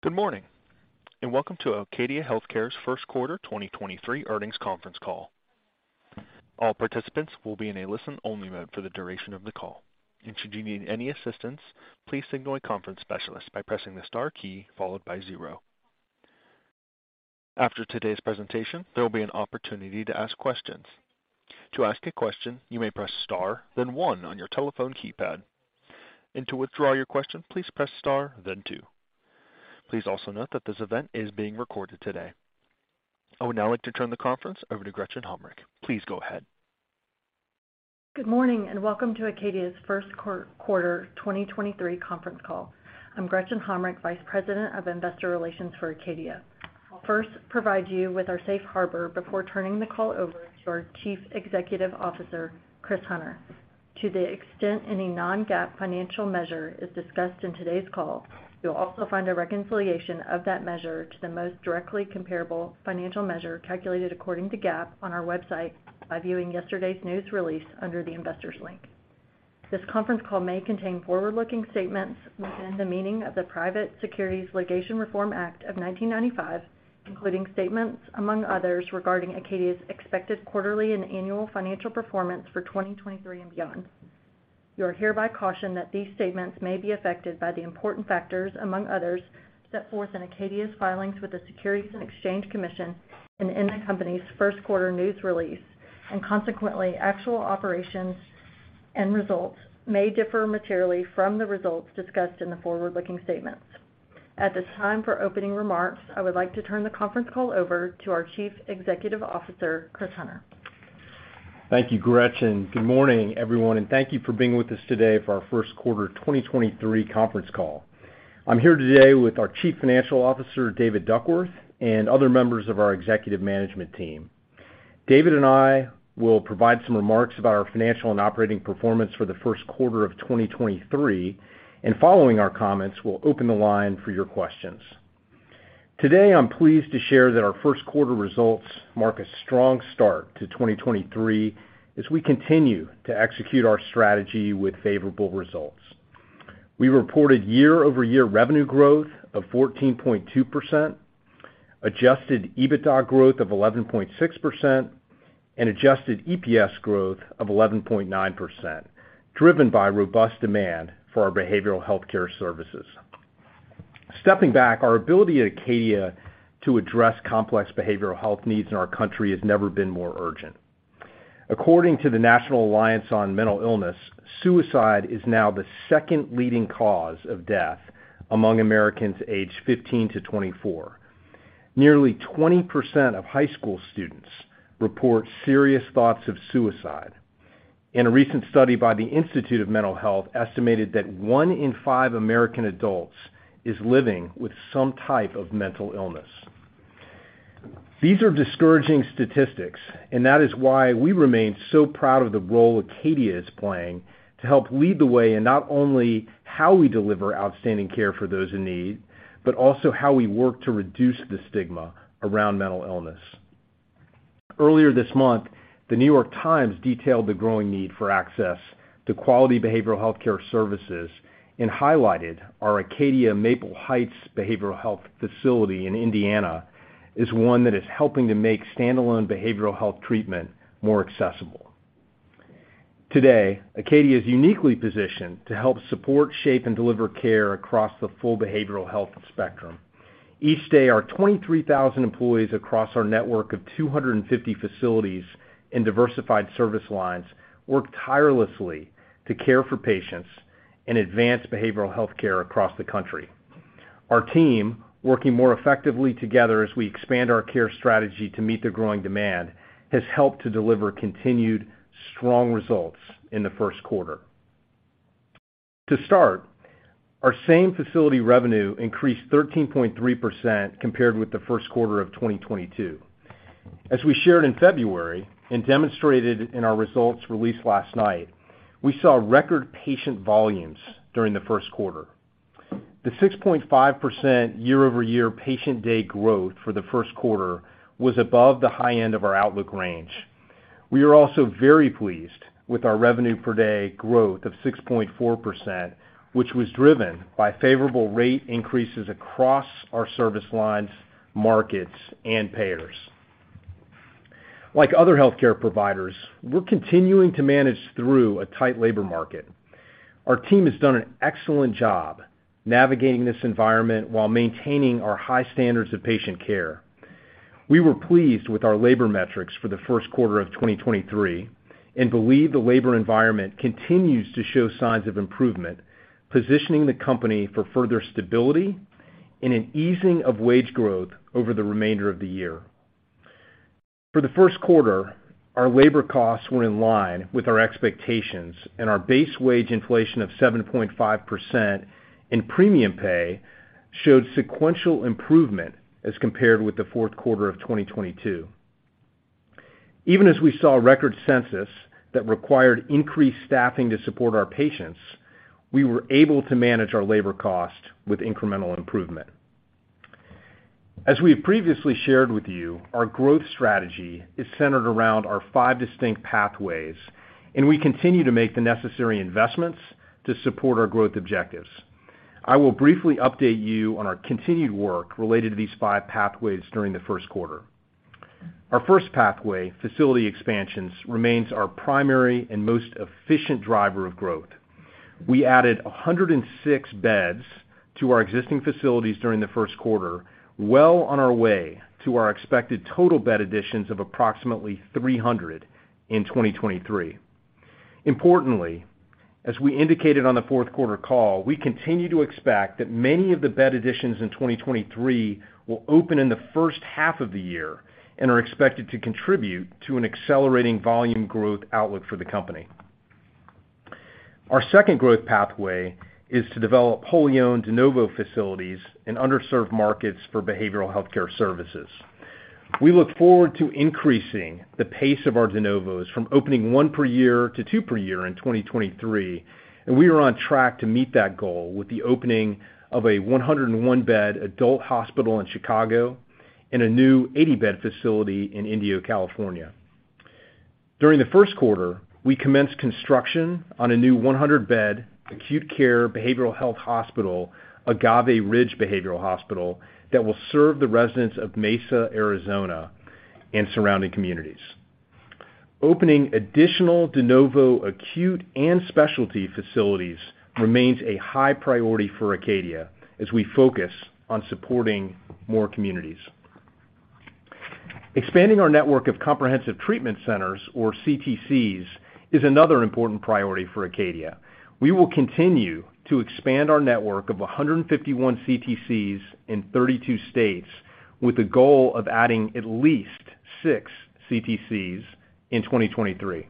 Good morning, welcome to Acadia Healthcare's first quarter 2023 earnings conference call. All participants will be in a listen-only mode for the duration of the call. Should you need any assistance, please signal a conference specialist by pressing the star key followed by zero. After today's presentation, there will be an opportunity to ask questions. To ask a question, you may press star, then one on your telephone keypad. To withdraw your question, please press star then two. Please also note that this event is being recorded today. I would now like to turn the conference over to Gretchen Hommrich. Please go ahead. Good morning. Welcome to Acadia's first quarter 2023 conference call. I'm Gretchen Hommrich, Vice President of Investor Relations for Acadia. I'll first provide you with our safe harbor before turning the call over to our Chief Executive Officer, Chris Hunter. To the extent any non-GAAP financial measure is discussed in today's call, you'll also find a reconciliation of that measure to the most directly comparable financial measure calculated according to GAAP on our website by viewing yesterday's news release under the Investors link. This conference call may contain forward-looking statements within the meaning of the Private Securities Litigation Reform Act of 1995, including statements among others regarding Acadia's expected quarterly and annual financial performance for 2023 and beyond. You are hereby cautioned that these statements may be affected by the important factors, among others, set forth in Acadia's filings with the Securities and Exchange Commission and in the company's first quarter news release. Consequently, actual operations and results may differ materially from the results discussed in the forward-looking statements. At this time, for opening remarks, I would like to turn the conference call over to our Chief Executive Officer, Chris Hunter. Thank you, Gretchen. Good morning, everyone, and thank you for being with us today for our first quarter 2023 conference call. I'm here today with our Chief Financial Officer, David Duckworth, and other members of our executive management team. David and I will provide some remarks about our financial and operating performance for the first quarter of 2023, and following our comments, we'll open the line for your questions. Today, I'm pleased to share that our first quarter results mark a strong start to 2023 as we continue to execute our strategy with favorable results. We reported year-over-year revenue growth of 14.2%, adjusted EBITDA growth of 11.6%, and adjusted EPS growth of 11.9%, driven by robust demand for our behavioral healthcare services. Stepping back, our ability at Acadia to address complex behavioral health needs in our country has never been more urgent. According to the National Alliance on Mental Illness, suicide is now the second leading cause of death among Americans aged 15 to 24. Nearly 20% of high school students report serious thoughts of suicide. In a recent study by the National Institute of Mental Health, estimated that one in five American adults is living with some type of mental illness. These are discouraging statistics. That is why we remain so proud of the role Acadia is playing to help lead the way in not only how we deliver outstanding care for those in need, but also how we work to reduce the stigma around mental illness. Earlier this month, the New York Times detailed the growing need for access to quality behavioral healthcare services and highlighted our Acadia Maple Heights Behavioral Health facility in Indiana as one that is helping to make standalone behavioral health treatment more accessible. Today, Acadia is uniquely positioned to help support, shape, and deliver care across the full behavioral health spectrum. Each day, our 23,000 employees across our network of 250 facilities in diversified service lines work tirelessly to care for patients and advance behavioral health care across the country. Our team, working more effectively together as we expand our care strategy to meet the growing demand, has helped to deliver continued strong results in the first quarter. To start, our same-facility revenue increased 13.3% compared with the first quarter of 2022. As we shared in February and demonstrated in our results released last night, we saw record patient volumes during the first quarter. The 6.5% year-over-year patient day growth for the first quarter was above the high end of our outlook range. We are also very pleased with our revenue per day growth of 6.4%, which was driven by favorable rate increases across our service lines, markets, and payers. Like other healthcare providers, we're continuing to manage through a tight labor market. Our team has done an excellent job navigating this environment while maintaining our high standards of patient care. We were pleased with our labor metrics for the first quarter of 2023 and believe the labor environment continues to show signs of improvement, positioning the company for further stability and an easing of wage growth over the remainder of the year. For the first quarter, our labor costs were in line with our expectations and our base wage inflation of 7.5% in premium pay showed sequential improvement as compared with the fourth quarter of 2022. Even as we saw a record census that required increased staffing to support our patients, we were able to manage our labor cost with incremental improvement. As we have previously shared with you, our growth strategy is centered around our five distinct pathways, and we continue to make the necessary investments to support our growth objectives. I will briefly update you on our continued work related to these five pathways during the first quarter. Our first pathway, facility expansions, remains our primary and most efficient driver of growth. We added 106 beds to our existing facilities during the first quarter, well on our way to our expected total bed additions of approximately 300 in 2023. Importantly, as we indicated on the fourth quarter call, we continue to expect that many of the bed additions in 2023 will open in the first half of the year and are expected to contribute to an accelerating volume growth outlook for the company. Our second growth pathway is to develop wholly-owned de novo facilities in underserved markets for behavioral healthcare services. We look forward to increasing the pace of our de novos from opening one per year to two per year in 2023, we are on track to meet that goal with the opening of a 101-bed adult hospital in Chicago and a new 80-bed facility in Indio, California. During the first quarter, we commenced construction on a new 100-bed acute care behavioral health hospital, Agave Ridge Behavioral Hospital, that will serve the residents of Mesa, Arizona, and surrounding communities. Opening additional de novo acute and specialty facilities remains a high priority for Acadia as we focus on supporting more communities. Expanding our network of comprehensive treatment centers, or CTCs, is another important priority for Acadia. We will continue to expand our network of 151 CTCs in 32 states with the goal of adding at least six CTCs in 2023.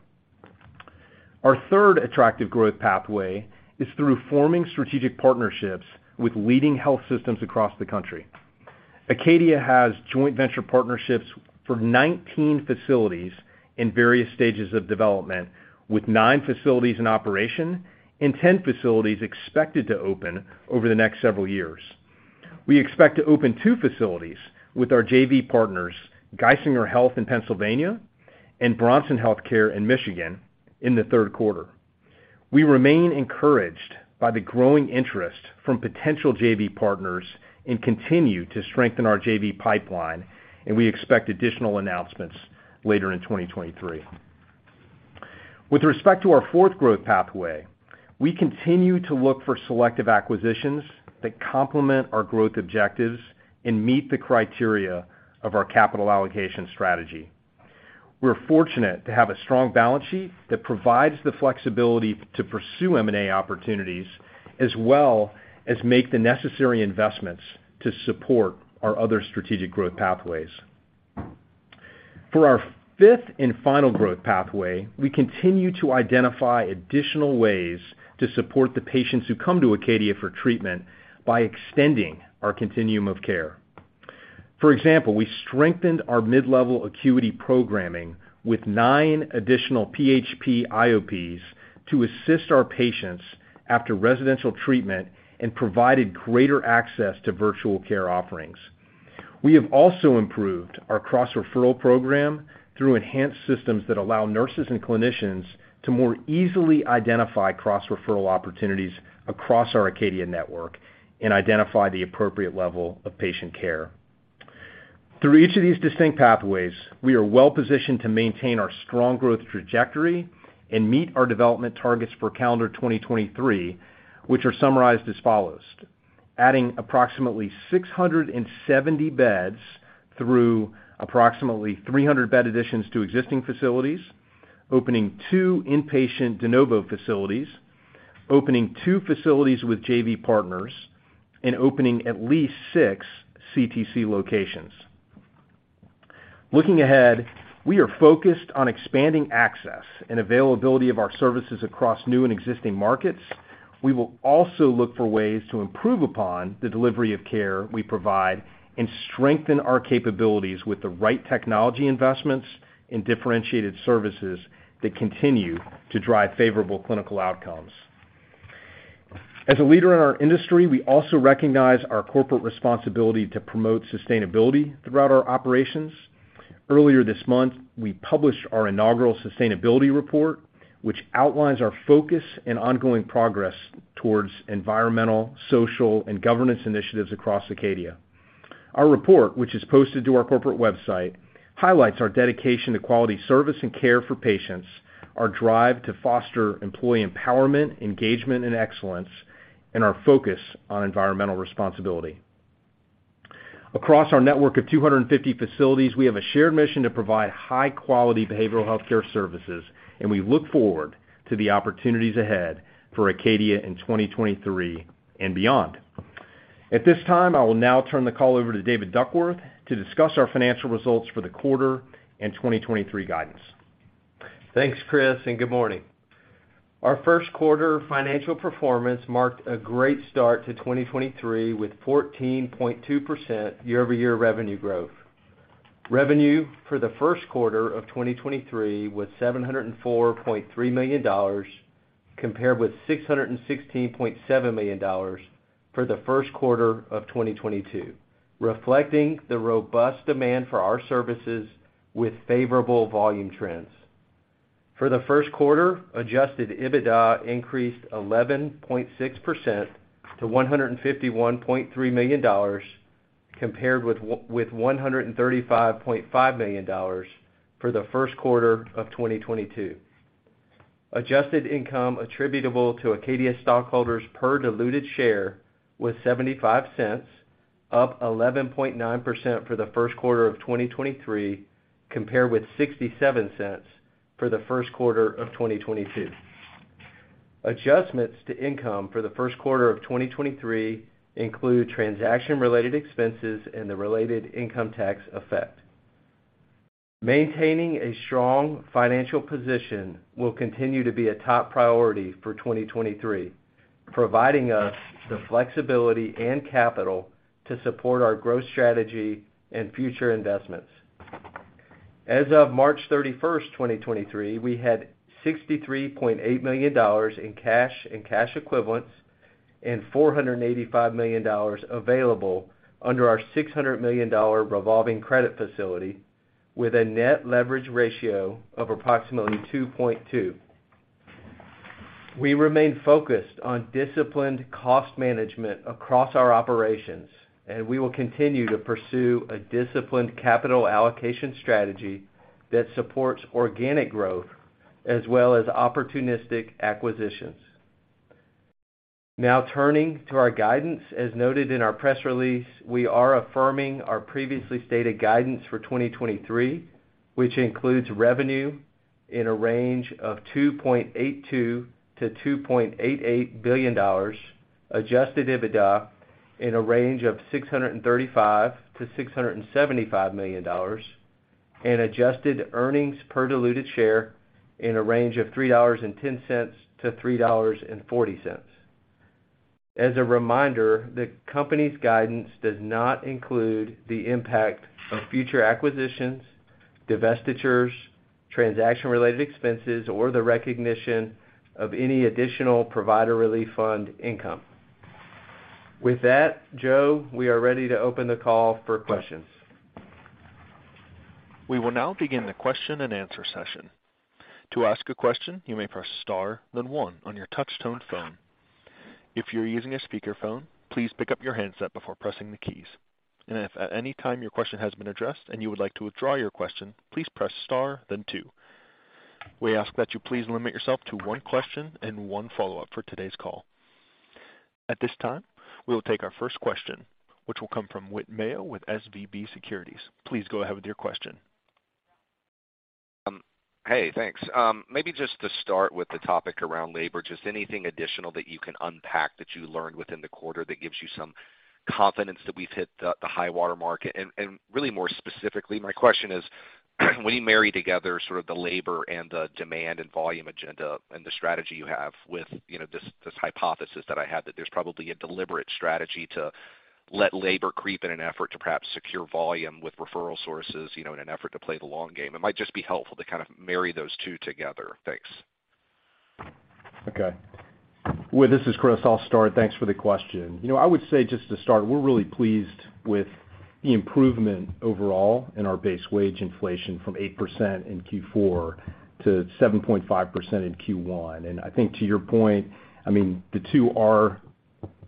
Our third attractive growth pathway is through forming strategic partnerships with leading health systems across the country. Acadia has joint venture partnerships for 19 facilities in various stages of development, with nine facilities in operation and 10 facilities expected to open over the next several years. We expect to open two facilities with our JV partners, Geisinger Health in Pennsylvania and Bronson Healthcare in Michigan, in the 3rd quarter. We remain encouraged by the growing interest from potential JV partners and continue to strengthen our JV pipeline. We expect additional announcements later in 2023. With respect to our 4th growth pathway, we continue to look for selective acquisitions that complement our growth objectives and meet the criteria of our capital allocation strategy. We're fortunate to have a strong balance sheet that provides the flexibility to pursue M&A opportunities as well as make the necessary investments to support our other strategic growth pathways. For our 5th and final growth pathway, we continue to identify additional ways to support the patients who come to Acadia for treatment by extending our continuum of care. For example, we strengthened our mid-level acuity programming with nine additional PHP/IOPs to assist our patients after residential treatment and provided greater access to virtual care offerings. We have also improved our cross-referral program through enhanced systems that allow nurses and clinicians to more easily identify cross-referral opportunities across our Acadia network and identify the appropriate level of patient care. Through each of these distinct pathways, we are well-positioned to maintain our strong growth trajectory and meet our development targets for calendar 2023, which are summarized as follows: adding approximately 670 beds through approximately 300 bed additions to existing facilities, opening two inpatient de novo facilities, opening two facilities with JV partners, and opening at least six CTC locations. Looking ahead, we are focused on expanding access and availability of our services across new and existing markets. We will also look for ways to improve upon the delivery of care we provide and strengthen our capabilities with the right technology investments and differentiated services that continue to drive favorable clinical outcomes. As a leader in our industry, we also recognize our corporate responsibility to promote sustainability throughout our operations. Earlier this month, we published our inaugural sustainability report, which outlines our focus and ongoing progress towards environmental, social, and governance initiatives across Acadia. Our report, which is posted to our corporate website, highlights our dedication to quality service and care for patients, our drive to foster employee empowerment, engagement, and excellence, and our focus on environmental responsibility. Across our network of 250 facilities, we have a shared mission to provide high-quality behavioral healthcare services, and we look forward to the opportunities ahead for Acadia in 2023 and beyond. At this time, I will now turn the call over to David Duckworth to discuss our financial results for the quarter and 2023 guidance. Thanks, Chris, and good morning. Our first quarter financial performance marked a great start to 2023 with 14.2% year-over-year revenue growth. Revenue for the first quarter of 2023 was $704.3 million compared with $616.7 million for the first quarter of 2022, reflecting the robust demand for our services with favorable volume trends. For the first quarter, adjusted EBITDA increased 11.6% to $151.3 million compared with $135.5 million for the first quarter of 2022. Adjusted income attributable to Acadia stockholders per diluted share was $0.75, up 11.9% for the first quarter of 2023, compared with $0.67 for the first quarter of 2022. Adjustments to income for the first quarter of 2023 include transaction-related expenses and the related income tax effect. Maintaining a strong financial position will continue to be a top priority for 2023, providing us the flexibility and capital to support our growth strategy and future investments. As of March 31st, 2023, we had $63.8 million in cash and cash equivalents and $485 million available under our $600 million revolving credit facility with a net leverage ratio of approximately 2.2. We remain focused on disciplined cost management across our operations, and we will continue to pursue a disciplined capital allocation strategy that supports organic growth as well as opportunistic acquisitions. Now turning to our guidance. As noted in our press release, we are affirming our previously stated guidance for 2023, which includes revenue in a range of $2.82 billion-$2.88 billion, adjusted EBITDA in a range of $635 million-$675 million, and adjusted earnings per diluted share in a range of $3.10-$3.40. A reminder, the company's guidance does not include the impact of future acquisitions, divestitures, transaction-related expenses, or the recognition of any additional provider relief fund income. With that, Joe, we are ready to open the call for questions. We will now begin the question and answer session. To ask a question, you may press star, then one on your touchtone phone. If you're using a speakerphone, please pick up your handset before pressing the keys. If at any time your question has been addressed and you would like to withdraw your question, please press star then two. We ask that you please limit yourself to one question and one follow-up for today's call. At this time, we will take our first question, which will come from Whit Mayo with SVB Securities. Please go ahead with your question. Hey, thanks. Maybe just to start with the topic around labor, just anything additional that you can unpack that you learned within the quarter that gives you some confidence that we've hit the high-water mark. Really more specifically, my question is, when you marry together sort of the labor and the demand and volume agenda and the strategy you have with, you know, this hypothesis that I have that there's probably a deliberate strategy to let labor creep in an effort to perhaps secure volume with referral sources, you know, in an effort to play the long game? It might just be helpful to kind of marry those two together. Thanks. Okay. Whit, this is Chris. I'll start. Thanks for the question. You know, I would say just to start, we're really pleased with the improvement overall in our base wage inflation from 8% in Q4 to 7.5% in Q1. I think to your point, I mean, the two are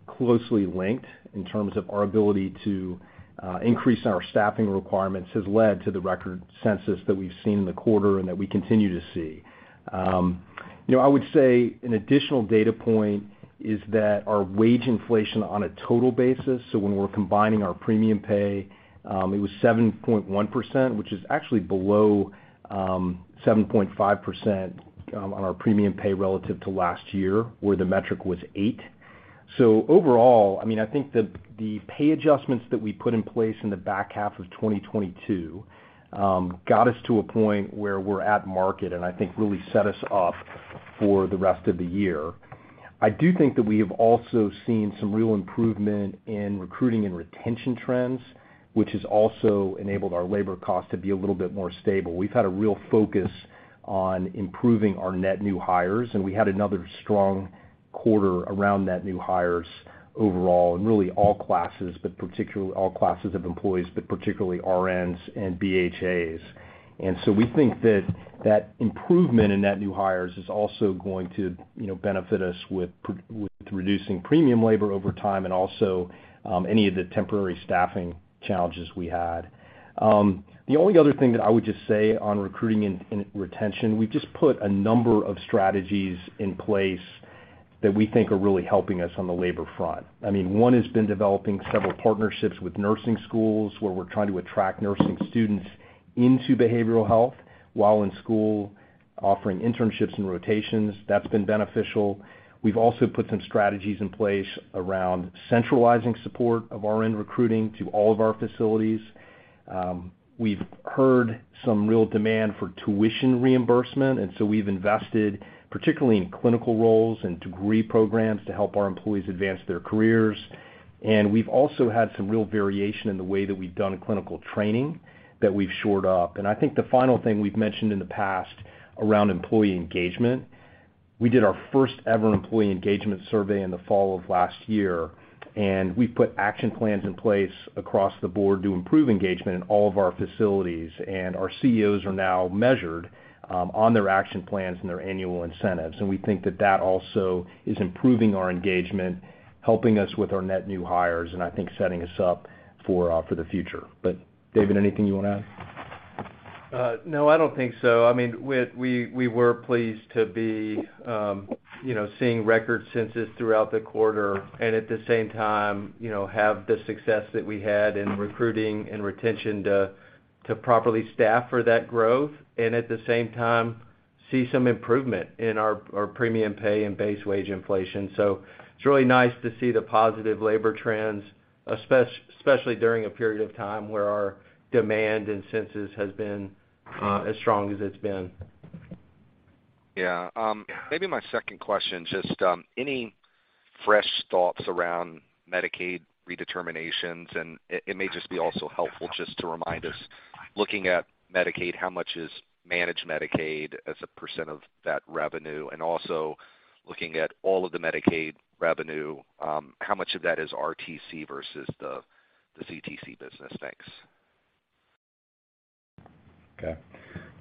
closely linked in terms of our ability to increase our staffing requirements has led to the record census that we've seen in the quarter and that we continue to see. You know, I would say an additional data point is that our wage inflation on a total basis, so when we're combining our premium pay, it was 7.1%, which is actually below 7.5% on our premium pay relative to last year, where the metric was 8%. Overall, I mean, I think the pay adjustments that we put in place in the back half of 2022, got us to a point where we're at market and I think really set us off for the rest of the year. I do think that we have also seen some real improvement in recruiting and retention trends, which has also enabled our labor cost to be a little bit more stable. We've had a real focus on improving our net new hires, and we had another strong quarter around net new hires overall in really all classes, but particularly all classes of employees, but particularly RNs and BHAs. We think that that improvement in net new hires is also going to, you know, benefit us with reducing premium labor over time and also any of the temporary staffing challenges we had. The only other thing that I would just say on recruiting and retention, we've just put a number of strategies in place that we think are really helping us on the labor front. I mean, one has been developing several partnerships with nursing schools, where we're trying to attract nursing students into behavioral health while in school, offering internships and rotations. That's been beneficial. We've also put some strategies in place around centralizing support of RN recruiting to all of our facilities. We've heard some real demand for tuition reimbursement, and so we've invested particularly in clinical roles and degree programs to help our employees advance their careers. We've also had some real variation in the way that we've done clinical training that we've shored up. I think the final thing we've mentioned in the past around employee engagement, we did our first ever employee engagement survey in the fall of last year, and we put action plans in place across the board to improve engagement in all of our facilities. Our CEOs are now measured on their action plans and their annual incentives. We think that that also is improving our engagement, helping us with our net new hires, and I think setting us up for the future. David, anything you wanna add? No, I don't think so. I mean, we were pleased to be, you know, seeing record census throughout the quarter, and at the same time, you know, have the success that we had in recruiting and retention to properly staff for that growth, and at the same time, see some improvement in our premium pay and base wage inflation. It's really nice to see the positive labor trends, especially during a period of time where our demand and census has been as strong as it's been. Yeah. Maybe my second question, just, any fresh thoughts around Medicaid redeterminations, and it may just be also helpful just to remind us, looking at Medicaid, how much is managed Medicaid as a % of that revenue? Also looking at all of the Medicaid revenue, how much of that is RTC versus the CTC business? Thanks. Okay,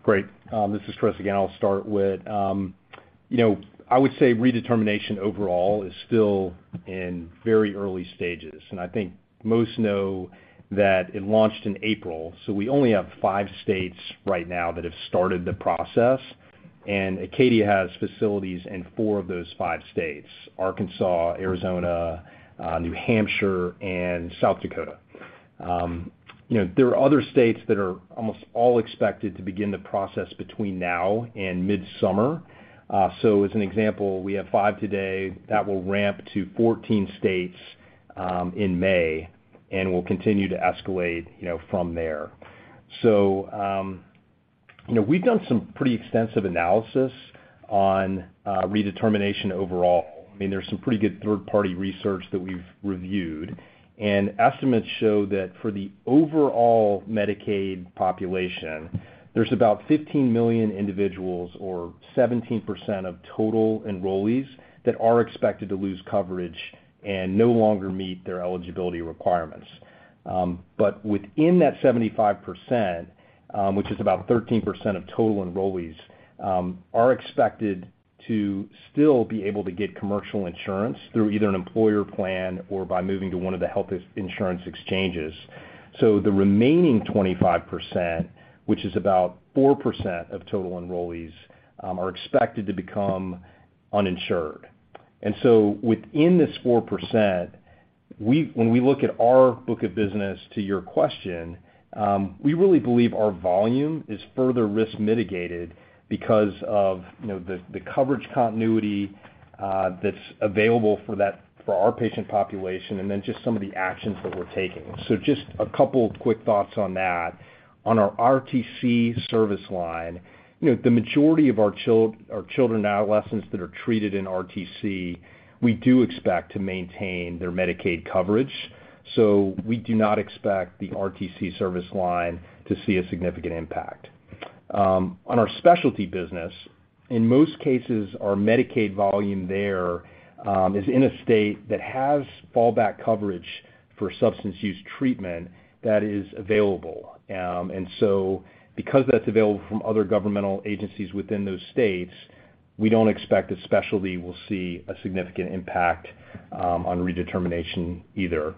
great. This is Chris again. I'll start with, you know, I would say redetermination overall is still in very early stages, and I think most know that it launched in April. We only have five states right now that have started the process, and Acadia has facilities in four of those five states, Arkansas, Arizona, New Hampshire and South Dakota. You know, there are other states that are almost all expected to begin the process between now and midsummer. As an example, we have five today that will ramp to 14 states in May and will continue to escalate, you know, from there. You know, we've done some pretty extensive analysis on redetermination overall. I mean, there's some pretty good third-party research that we've reviewed. Estimates show that for the overall Medicaid population, there's about 15 million individuals or 17% of total enrollees that are expected to lose coverage and no longer meet their eligibility requirements. Within that 75%, which is about 13% of total enrollees, are expected to still be able to get commercial insurance through either an employer plan or by moving to one of the health insurance exchanges. The remaining 25%, which is about 4% of total enrollees, are expected to become uninsured. Within this 4%, when we look at our book of business to your question, we really believe our volume is further risk mitigated because of, you know, the coverage continuity that's available for our patient population, and then just some of the actions that we're taking. Just a couple quick thoughts on that. On our RTC service line, you know, the majority of our children and adolescents that are treated in RTC, we do expect to maintain their Medicaid coverage. We do not expect the RTC service line to see a significant impact. On our specialty business, in most cases, our Medicaid volume there is in a state that has fallback coverage for substance use treatment that is available. Because that's available from other governmental agencies within those states, we don't expect that specialty will see a significant impact on redetermination either.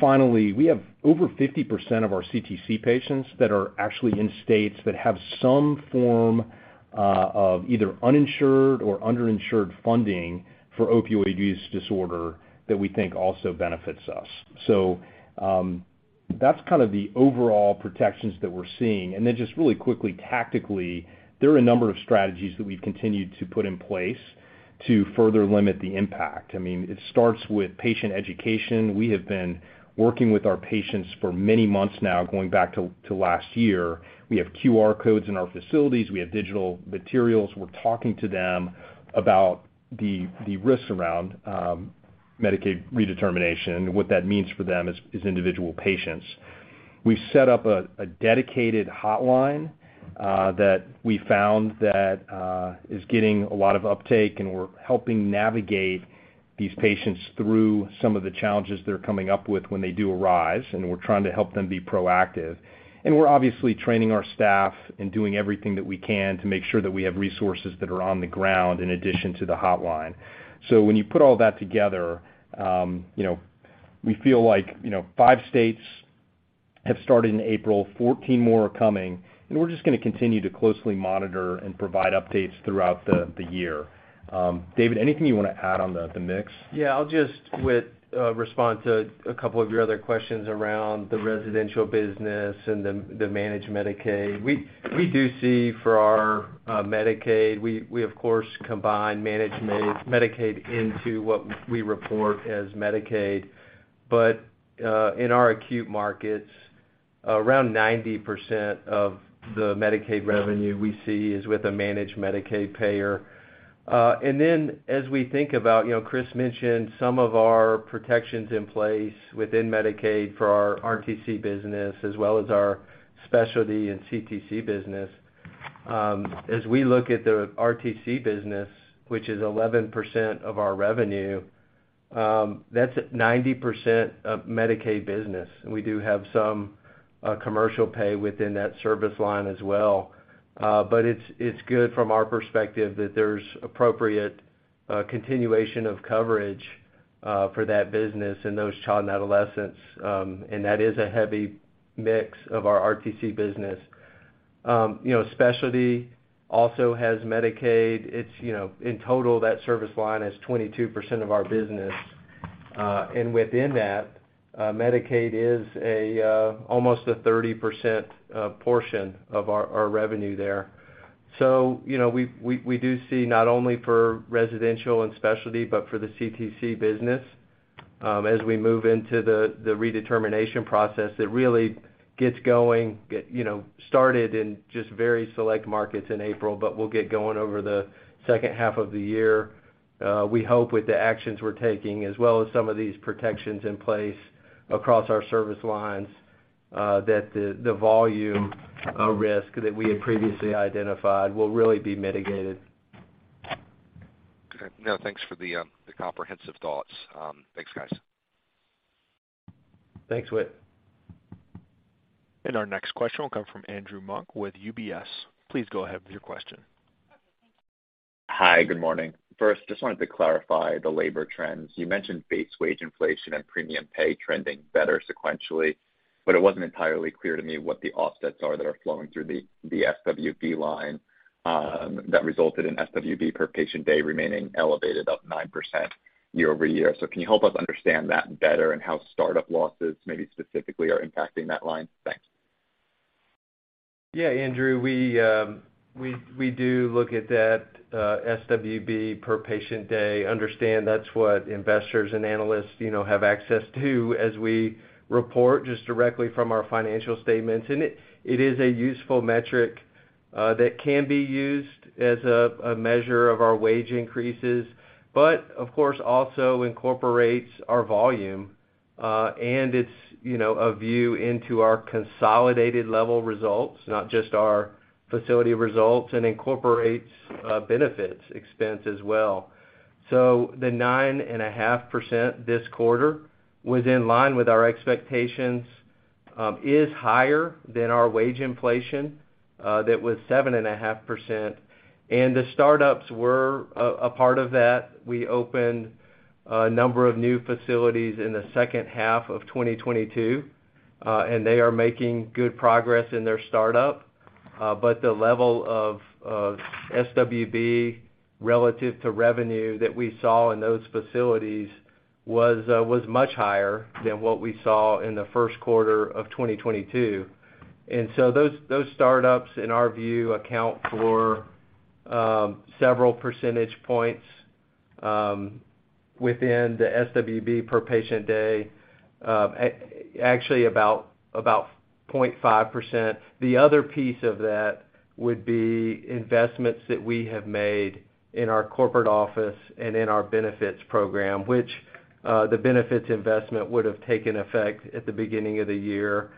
Finally, we have over 50% of our CTC patients that are actually in states that have some form of either uninsured or underinsured funding for opioid use disorder that we think also benefits us. That's kind of the overall protections that we're seeing. Just really quickly tactically, there are a number of strategies that we've continued to put in place to further limit the impact. I mean, it starts with patient education. We have been working with our patients for many months now, going back to last year. We have QR codes in our facilities. We have digital materials. We're talking to them about the risks around Medicaid redetermination and what that means for them as individual patients. We set up a dedicated hotline that we found that is getting a lot of uptake, and we're helping navigate these patients through some of the challenges they're coming up with when they do arise, and we're trying to help them be proactive. We're obviously training our staff and doing everything that we can to make sure that we have resources that are on the ground in addition to the hotline. When you put all that together, you know, we feel like, you know, five states have started in April, 14 more are coming, and we're just gonna continue to closely monitor and provide updates throughout the year. David, anything you wanna add on the mix? Yeah. I'll just respond to a couple of your other questions around the residential business and the managed Medicaid. We do see for our Medicaid, we of course combine managed Medicaid into what we report as Medicaid. In our acute markets, around 90% of the Medicaid revenue we see is with a managed Medicaid payer. As we think about, you know, Chris mentioned some of our protections in place within Medicaid for our RTC business as well as our specialty and CTC business. As we look at the RTC business, which is 11% of our revenue, that's 90% of Medicaid business. We do have some commercial pay within that service line as well. But it's good from our perspective that there's appropriate continuation of coverage for that business and those child and adolescents, that is a heavy mix of our RTC business. You know, specialty also has Medicaid. It's, you know, in total, that service line is 22% of our business. Within that, Medicaid is almost a 30% portion of our revenue there. You know, we, we do see not only for residential and specialty, but for the CTC business, as we move into the redetermination process that really gets going, you know, started in just very select markets in April, but we'll get going over the second half of the year. We hope with the actions we're taking as well as some of these protections in place across our service lines, that the volume of risk that we had previously identified will really be mitigated. Okay. No, thanks for the comprehensive thoughts. Thanks, guys. Thanks, Whit. Our next question will come from Andrew Mok with UBS. Please go ahead with your question. Hi. Good morning. First, just wanted to clarify the labor trends. You mentioned base wage inflation and premium pay trending better sequentially, but it wasn't entirely clear to me what the offsets are that are flowing through the SWB line, that resulted in SWB per patient day remaining elevated up 9% year-over-year. Can you help us understand that better and how start-up losses maybe specifically are impacting that line? Thanks. Andrew, we do look at that SWB per patient day. Understand that's what investors and analysts, you know, have access to as we report just directly from our financial statements. It is a useful metric that can be used as a measure of our wage increases, but of course, also incorporates our volume, and it's, you know, a view into our consolidated level results, not just our facility results, and incorporates benefits expense as well. The 9.5% this quarter was in line with our expectations, is higher than our wage inflation that was 7.5%. The startups were a part of that. We opened a number of new facilities in the second half of 2022, and they are making good progress in their startup. The level of SWB relative to revenue that we saw in those facilities was much higher than what we saw in the first quarter of 2022. Those startups, in our view, account for several percentage points within the SWB per patient day, actually about 0.5%. The other piece of that would be investments that we have made in our corporate office and in our benefits program, which the benefits investment would have taken effect at the beginning of the year.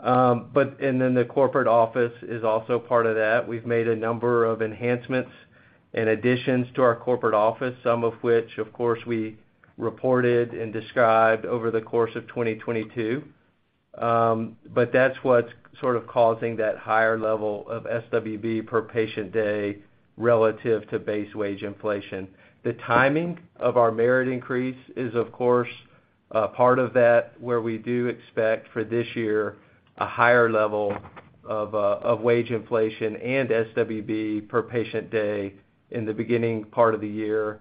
The corporate office is also part of that. We've made a number of enhancements and additions to our corporate office, some of which of course we reported and described over the course of 2022. That's what's sort of causing that higher level of SWB per patient day relative to base wage inflation. The timing of our merit increase is, of course, part of that, where we do expect for this year a higher level of wage inflation and SWB per patient day in the beginning part of the year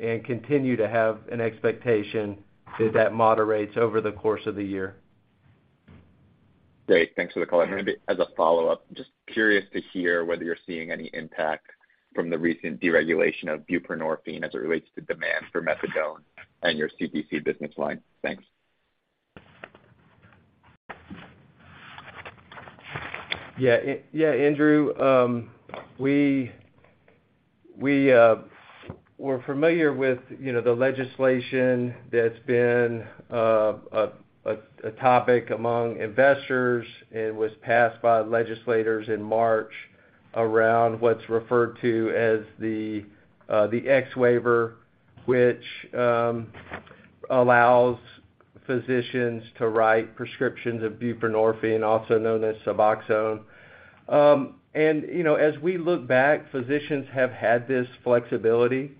and continue to have an expectation that that moderates over the course of the year. Great. Thanks for the color. Maybe as a follow-up, just curious to hear whether you're seeing any impact from the recent deregulation of buprenorphine as it relates to demand for methadone and your CTC business line. Thanks. Yeah, Andrew. We, we're familiar with, you know, the legislation that's been a topic among investors and was passed by legislators in March around what's referred to as the X-waiver, which allows physicians to write prescriptions of buprenorphine, also known as Suboxone. You know, as we look back, physicians have had this flexibility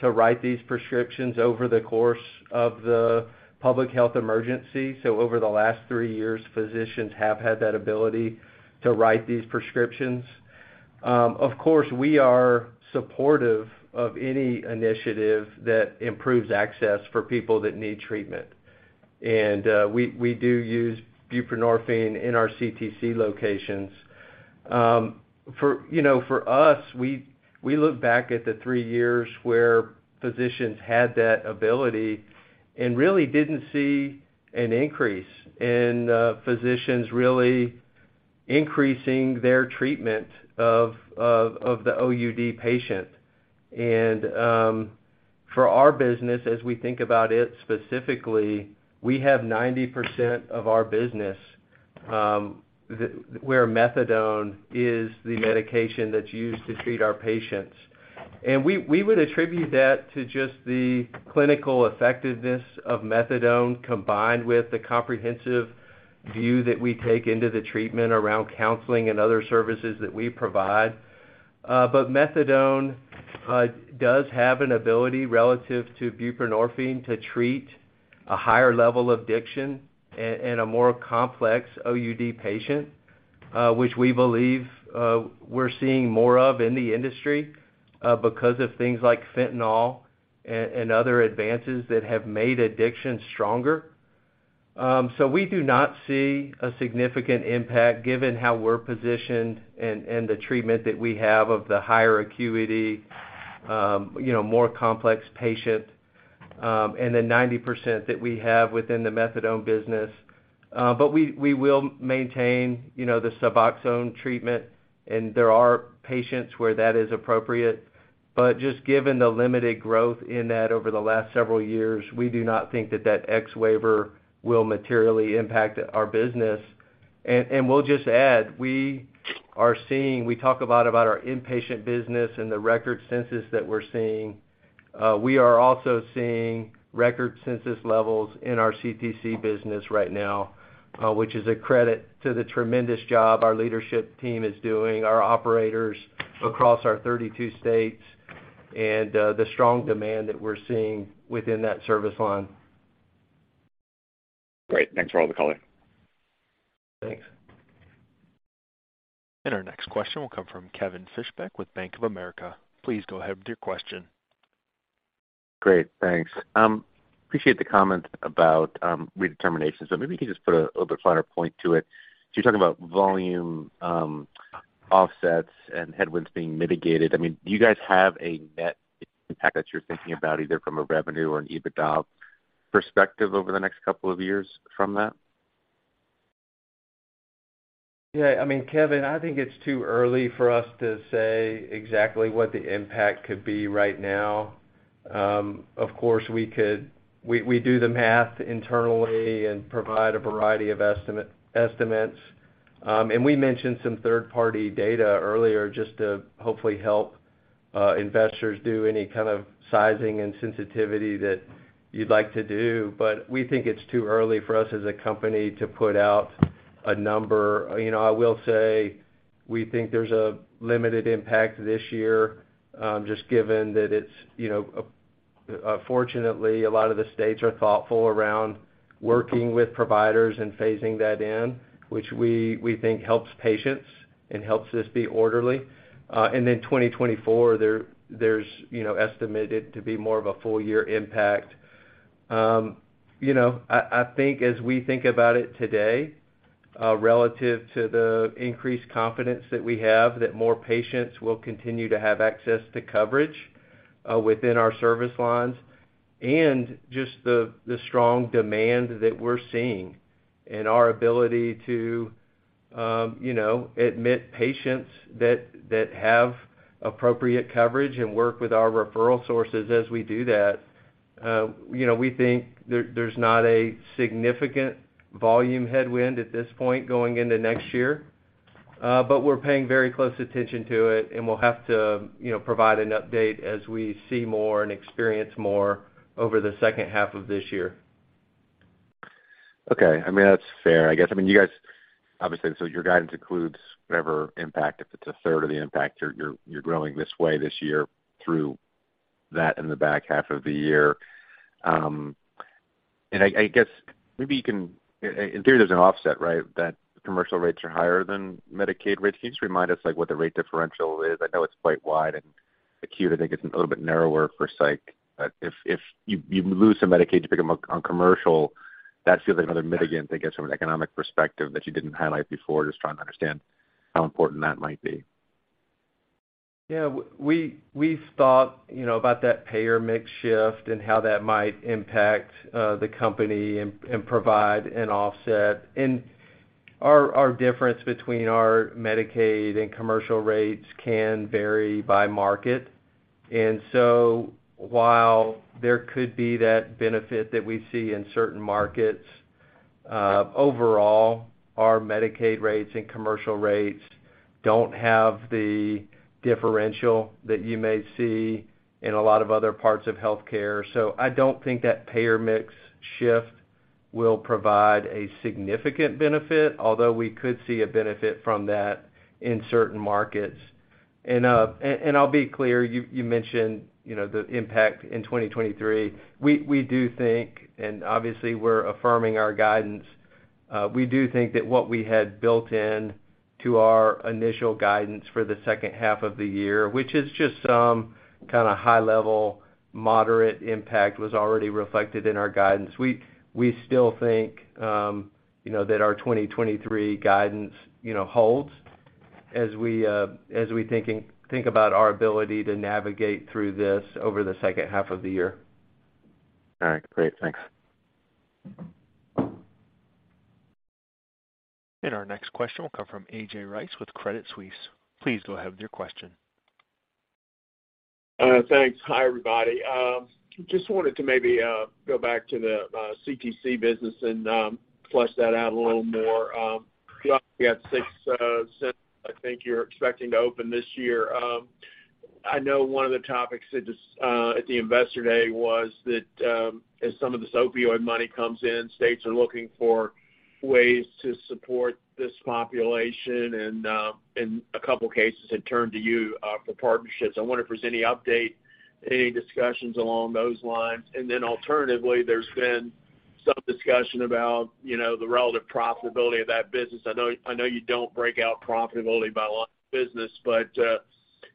to write these prescriptions over the course of the public health emergency. Over the last three years, physicians have had that ability to write these prescriptions. Of course, we are supportive of any initiative that improves access for people that need treatment. We do use buprenorphine in our CTC locations. For, you know, for us, we look back at the three years where physicians had that ability and really didn't see an increase in physicians really increasing their treatment of the OUD patient. For our business, as we think about it specifically, we have 90% of our business where methadone is the medication that's used to treat our patients. We would attribute that to just the clinical effectiveness of methadone combined with the comprehensive view that we take into the treatment around counseling and other services that we provide. Methadone does have an ability relative to buprenorphine to treat a higher level of addiction and a more complex OUD patient, which we believe we're seeing more of in the industry because of things like fentanyl and other advances that have made addiction stronger. We do not see a significant impact given how we're positioned and the treatment that we have of the higher acuity, you know, more complex patient, and the 90% that we have within the methadone business. We will maintain, you know, the Suboxone treatment, and there are patients where that is appropriate. Just given the limited growth in that over the last several years, we do not think that that X-waiver will materially impact our business. We'll just add, we are seeing we talk a lot about our inpatient business and the record census that we're seeing. We are also seeing record census levels in our CTC business right now, which is a credit to the tremendous job our leadership team is doing, our operators across our 32 states, and the strong demand that we're seeing within that service line. Great. Thanks for all the color. Thanks. Our next question will come from Kevin Fischbeck with Bank of America. Please go ahead with your question. Great, thanks. appreciate the comment about redetermination. Maybe you could just put a little bit finer point to it. You're talking about volume, offsets and headwinds being mitigated. I mean, do you guys have a net impact that you're thinking about, either from a revenue or an EBITDA perspective over the next couple of years from that? Yeah. I mean, Kevin, I think it's too early for us to say exactly what the impact could be right now. Of course, we do the math internally and provide a variety of estimates. We mentioned some third-party data earlier just to hopefully help investors do any kind of sizing and sensitivity that you'd like to do. We think it's too early for us as a company to put out a number. You know, I will say we think there's a limited impact this year, just given that it's, you know... Fortunately, a lot of the states are thoughtful around working with providers and phasing that in, which we think helps patients and helps us be orderly. Then 2024, there's, you know, estimated to be more of a full year impact. you know, I think as we think about it today, relative to the increased confidence that we have that more patients will continue to have access to coverage, within our service lines and just the strong demand that we're seeing and our ability to, you know, admit patients that have appropriate coverage and work with our referral sources as we do that, you know, we think there's not a significant volume headwind at this point going into next year. We're paying very close attention to it, and we'll have to, you know, provide an update as we see more and experience more over the second half of this year. Okay. I mean, that's fair, I guess. I mean, you guys, obviously, your guidance includes whatever impact. If it's a third of the impact, you're growing this way this year through that in the back half of the year. I guess maybe you can. In theory, there's an offset, right, that commercial rates are higher than Medicaid rates? Can you just remind us, like, what the rate differential is? I know it's quite wide and acute, I think it's a little bit narrower for psych. If you lose some Medicaid, you pick them up on commercial, that feels like another mitigant, I guess, from an economic perspective that you didn't highlight before. Just trying to understand how important that might be. Yeah. We've thought, you know, about that payer mix shift and how that might impact the company and provide an offset. Our difference between our Medicaid and commercial rates can vary by market. While there could be that benefit that we see in certain markets, overall, our Medicaid rates and commercial rates don't have the differential that you may see in a lot of other parts of healthcare. I don't think that payer mix shift will provide a significant benefit, although we could see a benefit from that in certain markets. I'll be clear, you mentioned, you know, the impact in 2023. We do think, and obviously we're affirming our guidance, we do think that what we had built in to our initial guidance for the second half of the year, which is just some kinda high level, moderate impact, was already reflected in our guidance. We still think, you know, that our 2023 guidance, you know, holds. As we think about our ability to navigate through this over the second half of the year. All right, great. Thanks. Our next question will come from A.J. Rice with Credit Suisse. Please go ahead with your question. Thanks. Hi, everybody. Just wanted to maybe go back to the CTC business and flesh that out a little more. You obviously got six centers I think you're expecting to open this year. I know one of the topics that just at the Investor Day was that as some of this opioid money comes in, states are looking for ways to support this population, and in a couple cases, had turned to you for partnerships. I wonder if there's any update, any discussions along those lines. Alternatively, there's been some discussion about, you know, the relative profitability of that business. I know you don't break out profitability by line of business, but,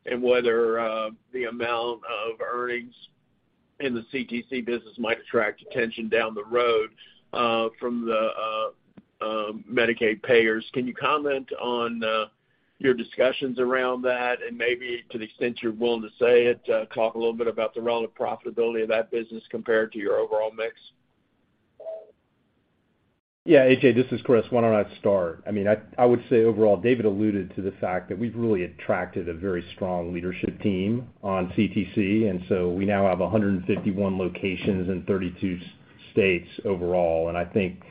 and whether the amount of earnings in the CTC business might attract attention down the road from the Medicaid payers. Can you comment on your discussions around that? Maybe to the extent you're willing to say it, talk a little bit about the relative profitability of that business compared to your overall mix. Yeah, A.J., this is Chris. Why don't I start? I mean, I would say overall, David alluded to the fact that we've really attracted a very strong leadership team on CTC. We now have 151 locations in 32 states overall. I think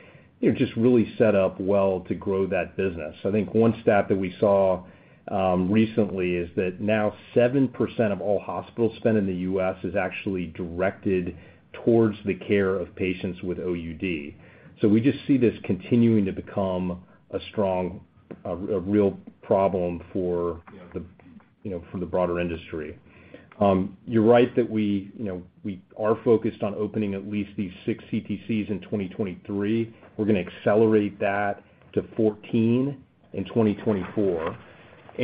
they're just really set up well to grow that business. I think one stat that we saw recently is that now 7% of all hospital spend in the U.S. is actually directed towards the care of patients with OUD. We just see this continuing to become a strong, a real problem for, you know, the, you know, for the broader industry. You're right that we, you know, we are focused on opening at least these six CTCs in 2023. We're gonna accelerate that to 14 in 2024.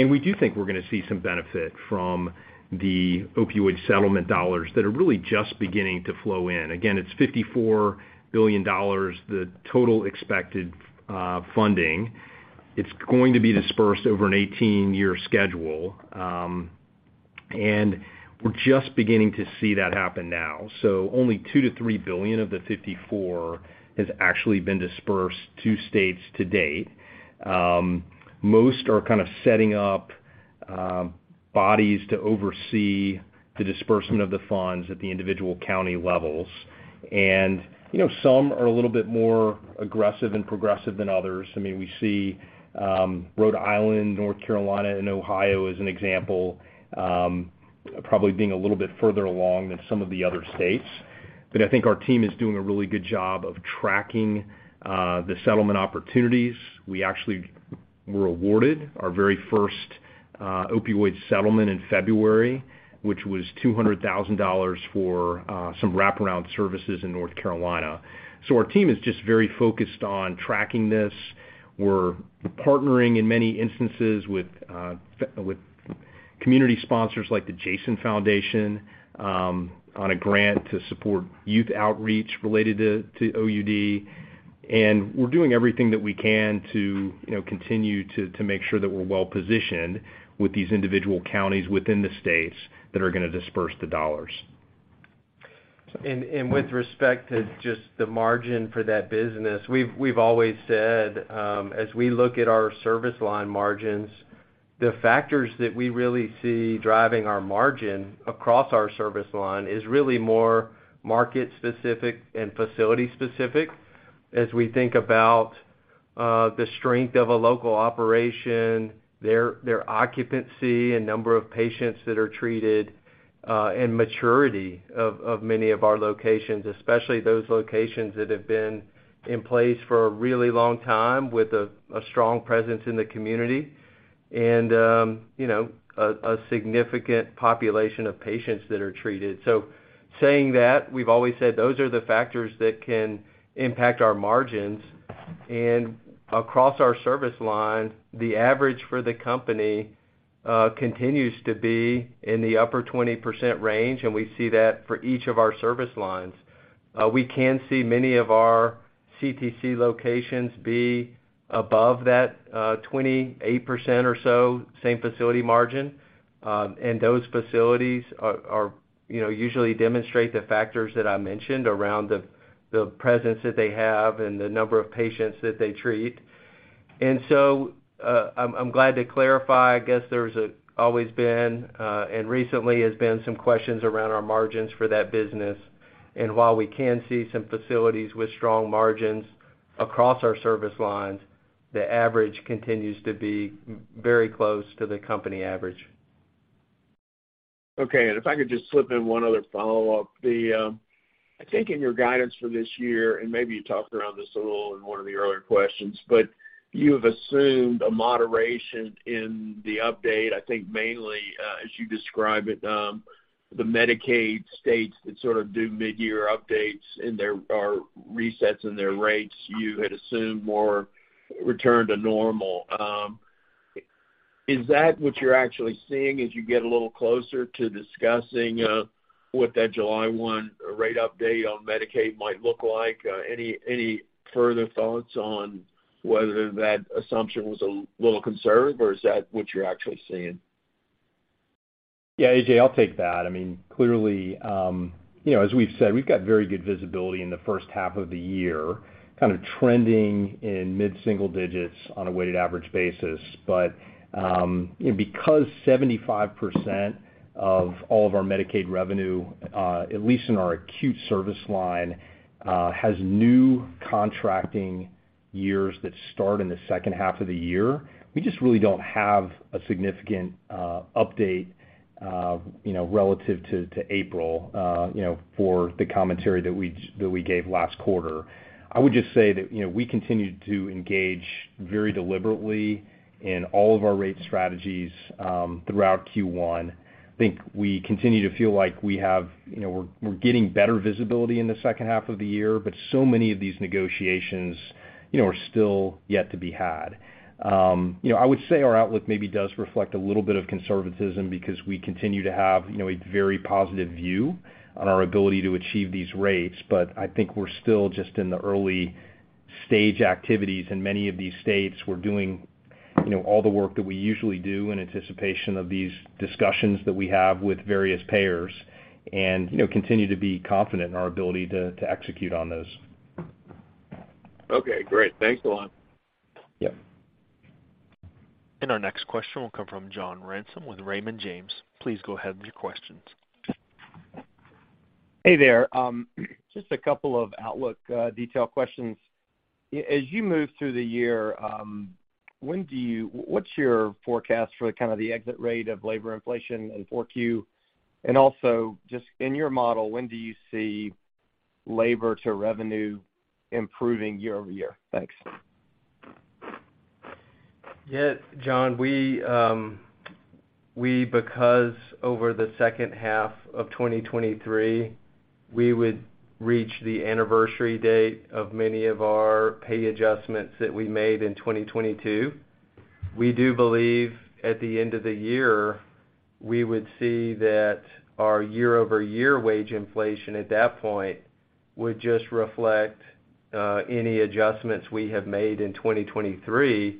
We do think we're gonna see some benefit from the opioid settlement dollars that are really just beginning to flow in. Again, it's $54 billion, the total expected funding. It's going to be dispersed over an 18-year schedule, and we're just beginning to see that happen now. Only $2 billion-$3 billion of the 54 has actually been dispersed to states to date. Most are kind of setting up bodies to oversee the disbursement of the funds at the individual county levels. You know, some are a little bit more aggressive and progressive than others. I mean, we see Rhode Island, North Carolina, and Ohio as an example, probably being a little bit further along than some of the other states. I think our team is doing a really good job of tracking the settlement opportunities. We actually were awarded our very first opioid settlement in February, which was $200,000 for some wraparound services in North Carolina. Our team is just very focused on tracking this. We're partnering in many instances with community sponsors like The Jason Foundation, on a grant to support youth outreach related to OUD. We're doing everything that we can to, you know, continue to make sure that we're well positioned with these individual counties within the states that are gonna disperse the dollars. With respect to just the margin for that business, we've always said, as we look at our service line margins, the factors that we really see driving our margin across our service line is really more market specific and facility specific as we think about the strength of a local operation, their occupancy and number of patients that are treated, and maturity of many of our locations, especially those locations that have been in place for a really long time with a strong presence in the community and, you know, a significant population of patients that are treated. Saying that, we've always said those are the factors that can impact our margins. Across our service line, the average for the company continues to be in the upper 20% range, and we see that for each of our service lines. We can see many of our CTC locations be above that, 28% or so same facility margin. Those facilities are, you know, usually demonstrate the factors that I mentioned around the presence that they have and the number of patients that they treat. I'm glad to clarify, I guess there's always been, and recently has been some questions around our margins for that business. While we can see some facilities with strong margins across our service lines, the average continues to be very close to the company average. Okay. If I could just slip in one other follow-up. The, I think in your guidance for this year, and maybe you talked around this a little in one of the earlier questions, but you have assumed a moderation in the update, I think mainly, as you describe it, the Medicaid states that sort of do mid-year updates in their, or resets in their rates, you had assumed more return to normal. Is that what you're actually seeing as you get a little closer to discussing? What that July 1 rate update on Medicaid might look like. Any further thoughts on whether that assumption was a little conservative or is that what you're actually seeing? Yeah, A.J., I'll take that. I mean, clearly, you know, as we've said, we've got very good visibility in the first half of the year, kind of trending in mid-single digits on a weighted average basis. Because 75% of all of our Medicaid revenue, at least in our acute service line, has new contracting years that start in the second half of the year, we just really don't have a significant update, you know, relative to April, you know, for the commentary that we gave last quarter. I would just say that, you know, we continue to engage very deliberately in all of our rate strategies throughout Q1. I think we continue to feel like we have, you know, we're getting better visibility in the second half of the year, but so many of these negotiations, you know, are still yet to be had. You know, I would say our outlook maybe does reflect a little bit of conservatism because we continue to have, you know, a very positive view on our ability to achieve these rates. I think we're still just in the early stage activities in many of these states. We're doing, you know, all the work that we usually do in anticipation of these discussions that we have with various payers and, you know, continue to be confident in our ability to execute on those. Okay, great. Thanks a lot. Yeah. Our next question will come from John Ransom with Raymond James. Please go ahead with your questions. Hey there. Just a couple of outlook, detail questions. As you move through the year, what's your forecast for kind of the exit rate of labor inflation in 4Q? Just in your model, when do you see labor to revenue improving year-over-year? Thanks. John, because over the second half of 2023, we would reach the anniversary date of many of our pay adjustments that we made in 2022, we do believe at the end of the year, we would see that our year-over-year wage inflation at that point would just reflect any adjustments we have made in 2023,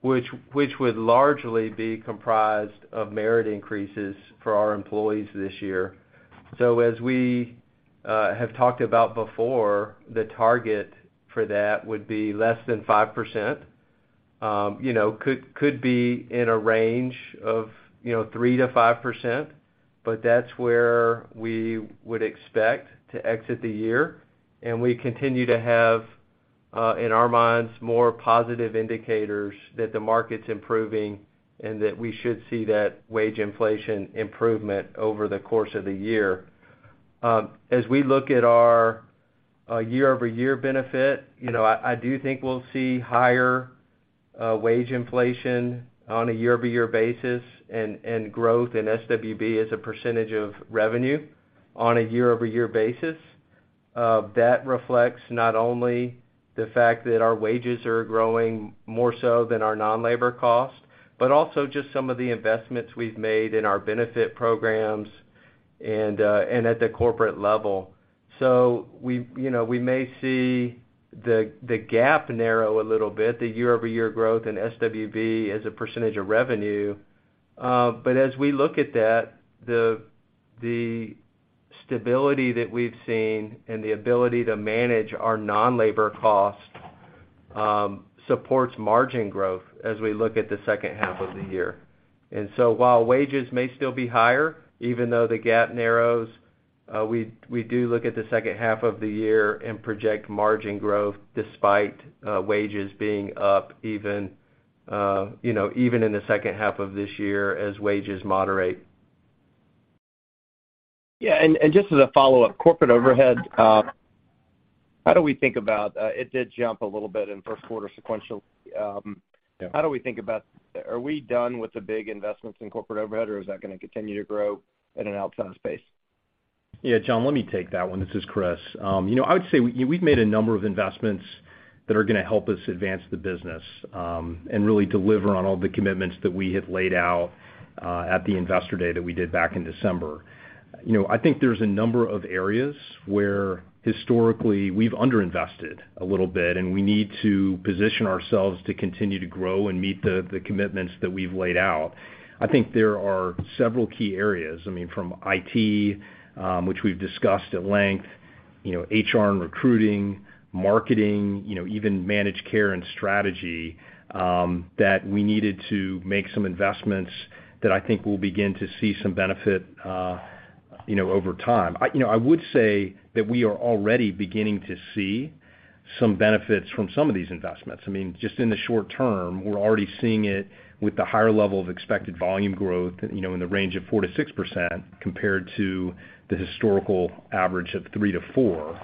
which would largely be comprised of merit increases for our employees this year. As we have talked about before, the target for that would be less than 5%. You know, could be in a range of, you know, 3%-5%, but that's where we would expect to exit the year. We continue to have, in our minds, more positive indicators that the market's improving and that we should see that wage inflation improvement over the course of the year. As we look at our year-over-year benefit, you know, I do think we'll see higher wage inflation on a year-over-year basis and growth in SWB as a percentage of revenue on a year-over-year basis. That reflects not only the fact that our wages are growing more so than our non-labor cost, but also just some of the investments we've made in our benefit programs and at the corporate level. We, you know, we may see the gap narrow a little bit, the year-over-year growth in SWB as a percentage of revenue. As we look at that, the stability that we've seen and the ability to manage our non-labor costs, supports margin growth as we look at the second half of the year. While wages may still be higher, even though the gap narrows, we do look at the second half of the year and project margin growth despite wages being up even, you know, even in the second half of this year as wages moderate. Yeah. Just as a follow-up, corporate overhead, how do we think about, it did jump a little bit in first quarter sequential. Yeah. How do we think about, are we done with the big investments in corporate overhead, or is that going to continue to grow at an outsized pace? Yeah, John, let me take that one. This is Chris. you know, I would say we've made a number of investments that are gonna help us advance the business and really deliver on all the commitments that we have laid out at the Investor Day that we did back in December. You know, I think there's a number of areas where historically we've underinvested a little bit, and we need to position ourselves to continue to grow and meet the commitments that we've laid out. I think there are several key areas, I mean, from IT, which we've discussed at length, you know, HR and recruiting, marketing, you know, even managed care and strategy, that we needed to make some investments that I think we'll begin to see some benefit, you know, over time. I, you know, I would say that we are already beginning to see some benefits from some of these investments. I mean, just in the short term, we're already seeing it with the higher level of expected volume growth, you know, in the range of 4%-6%, compared to the historical average of 3%-4%.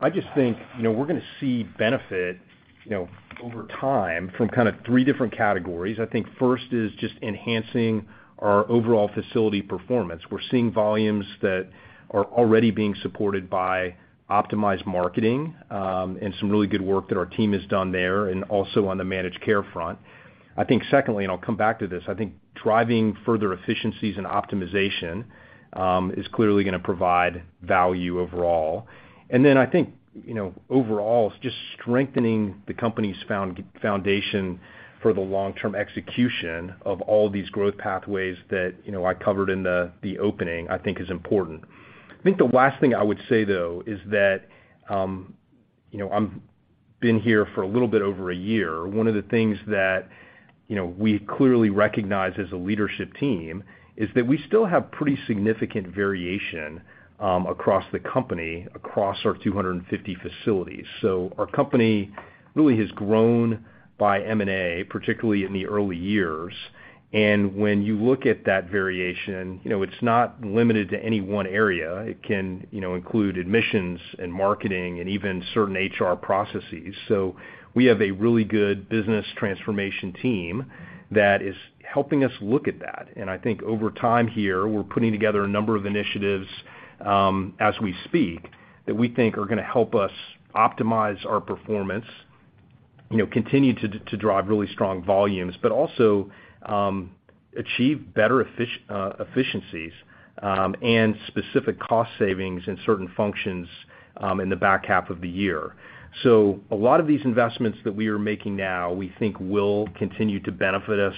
I just think, you know, we're gonna see benefit, you know, over time from kind of three different categories. I think first is just enhancing our overall facility performance. We're seeing volumes that are already being supported by optimized marketing, and some really good work that our team has done there, and also on the managed care front. I think secondly, and I'll come back to this, I think driving further efficiencies and optimization, is clearly gonna provide value overall. I think, you know, overall, Strengthening the company's foundation for the long-term execution of all these growth pathways that, you know, I covered in the opening, I think is important. I think the last thing I would say, though, is that, you know, I'm been here for a little bit over a year, one of the things that, you know, we clearly recognize as a leadership team is that we still have pretty significant variation across the company, across our 250 facilities. Our company really has grown by M&A, particularly in the early years. When you look at that variation, you know, it's not limited to any one area. It can, you know, include admissions and marketing and even certain HR processes. We have a really good business transformation team that is helping us look at that. I think over time here, we're putting together a number of initiatives, as we speak, that we think are gonna help us optimize our performance, you know, continue to drive really strong volumes, but also achieve better efficiencies and specific cost savings in certain functions in the back half of the year. A lot of these investments that we are making now, we think will continue to benefit us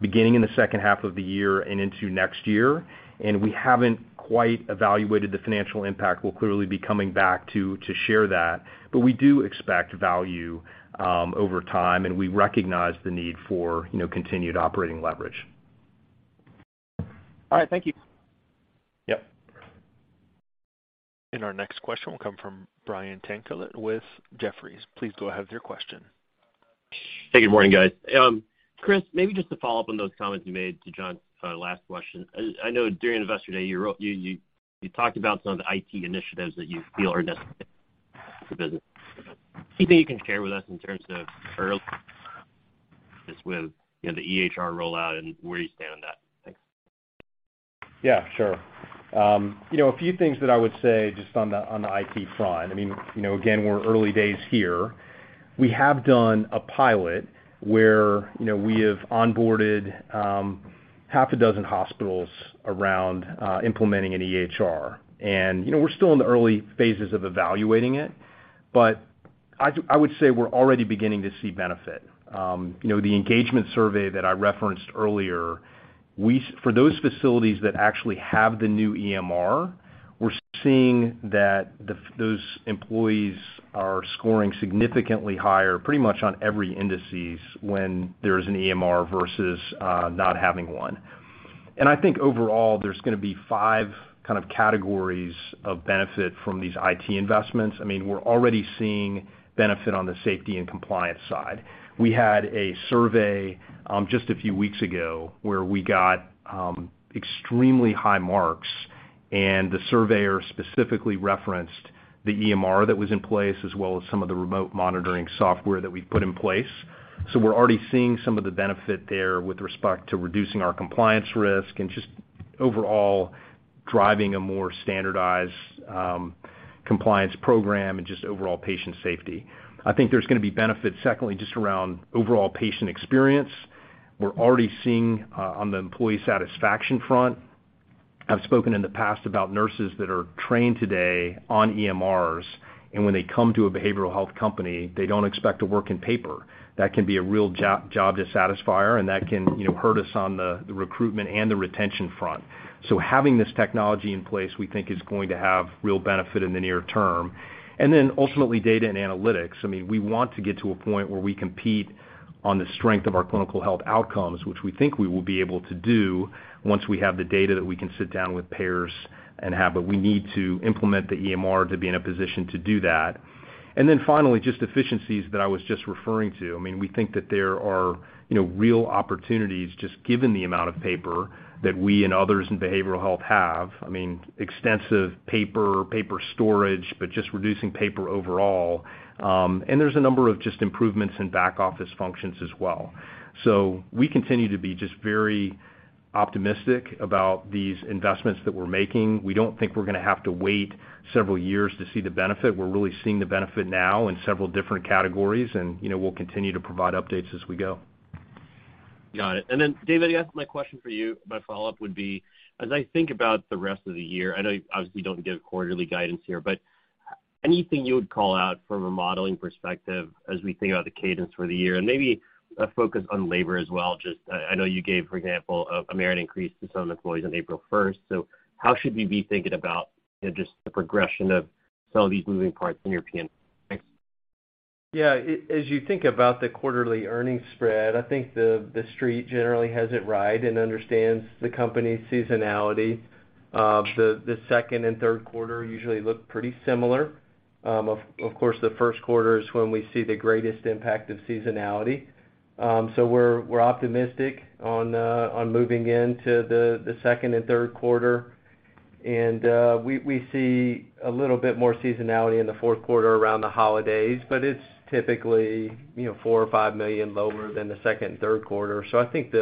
beginning in the second half of the year and into next year. We haven't quite evaluated the financial impact. We'll clearly be coming back to share that. We do expect value over time, and we recognize the need for, you know, continued operating leverage. All right. Thank you. Yep. Our next question will come from Brian Tanquilut with Jefferies. Please go ahead with your question. Hey, good morning, guys. Chris, maybe just to follow up on those comments you made to John's last question. I know during Investor Day, you talked about some of the IT initiatives that you feel are necessary for business. Anything you can share with us in terms of early just with, you know, the EHR rollout and where you stand on that? Thanks. Yeah, sure. you know, a few things that I would say just on the IT front, I mean, you know, again, we're early days here. We have done a pilot where, you know, we have onboarded half a dozen hospitals around implementing an EHR. you know, we're still in the early phases of evaluating it. I would say we're already beginning to see benefit. you know, the engagement survey that I referenced earlier, for those facilities that actually have the new EMR, we're seeing that those employees are scoring significantly higher, pretty much on every indices when there's an EMR versus not having one. I think overall, there's gonna be five kind of categories of benefit from these IT investments. I mean, we're already seeing benefit on the safety and compliance side. We had a survey, just a few weeks ago where we got extremely high marks, and the surveyor specifically referenced the EMR that was in place, as well as some of the remote monitoring software that we put in place. We're already seeing some of the benefit there with respect to reducing our compliance risk and just overall driving a more standardized compliance program and just overall patient safety. I think there's gonna be benefits, secondly, just around overall patient experience. We're already seeing on the employee satisfaction front. I've spoken in the past about nurses that are trained today on EMRs, and when they come to a behavioral health company, they don't expect to work in paper. That can be a real job dissatisfier, and that can, you know, hurt us on the recruitment and the retention front. Having this technology in place, we think is going to have real benefit in the near term. Ultimately, data and analytics. I mean, we want to get to a point where we compete on the strength of our clinical health outcomes, which we think we will be able to do once we have the data that we can sit down with payers and have. We need to implement the EMR to be in a position to do that. Finally, just efficiencies that I was just referring to. I mean, we think that there are, you know, real opportunities just given the amount of paper that we and others in behavioral health have. I mean, extensive paper storage, but just reducing paper overall. There's a number of just improvements in back office functions as well. We continue to be just very optimistic about these investments that we're making. We don't think we're gonna have to wait several years to see the benefit. We're really seeing the benefit now in several different categories, and, you know, we'll continue to provide updates as we go. Got it. David, I guess my question for you, my follow-up would be, as I think about the rest of the year, I know you obviously don't give quarterly guidance here, but anything you would call out from a modeling perspective as we think about the cadence for the year? Maybe a focus on labor as well, just I know you gave, for example, a merit increase to some employees on April 1st. How should we be thinking about, you know, just the progression of some of these moving parts in your P&L? Thanks. Yeah. As you think about the quarterly earnings spread, I think the Street generally has it right and understands the company's seasonality. The second and third quarter usually look pretty similar. Of course, the first quarter is when we see the greatest impact of seasonality. So we're optimistic on moving into the second and third quarter. We see a little bit more seasonality in the fourth quarter around the holidays, but it's typically, you know, $4 million or $5 million lower than the second and third quarter. I think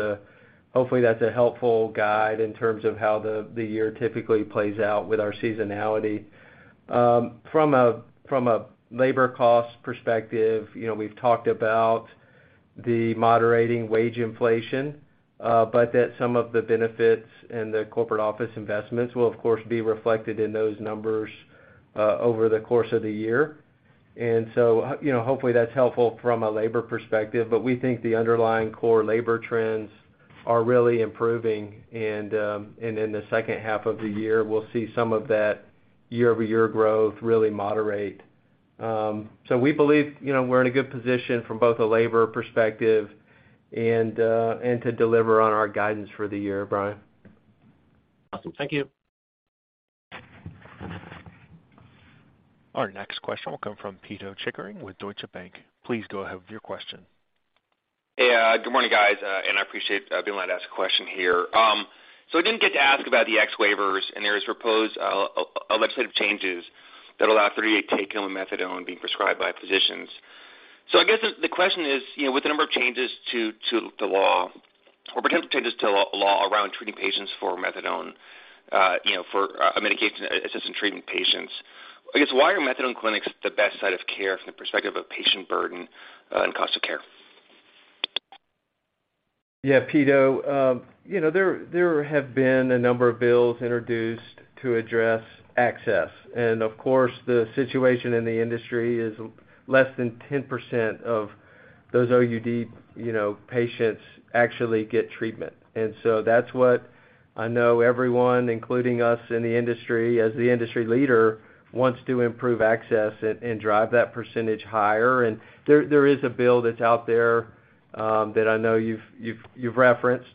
hopefully, that's a helpful guide in terms of how the year typically plays out with our seasonality. From a labor cost perspective, you know, we've talked about the moderating wage inflation, but that some of the benefits and the corporate office investments will, of course, be reflected in those numbers over the course of the year. You know, hopefully that's helpful from a labor perspective, but we think the underlying core labor trends are really improving, and in the second half of the year, we'll see some of that year-over-year growth really moderate. We believe, you know, we're in a good position from both a labor perspective and to deliver on our guidance for the year, Brian. Awesome. Thank you. Our next question will come from Pito Chickering with Deutsche Bank. Please go ahead with your question. Good morning, guys. And I appreciate being allowed to ask a question here. I didn't get to ask about the X-waivers, and there is proposed legislative changes that allow 30-day take-home methadone being prescribed by physicians. I guess the question is, you know, with the number of changes to the law or potential changes to law around treating patients for methadone, you know, for medication-assisted treatment patients, I guess, why are methadone clinics the best site of care from the perspective of patient burden and cost of care? Pito, you know, there have been a number of bills introduced to address access. Of course, the situation in the industry is less than 10% of those OUD, you know, patients actually get treatment. That's what I know everyone, including us in the industry, as the industry leader, wants to improve access and drive that percentage higher. There is a bill that's out there that I know you've referenced